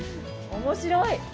面白い。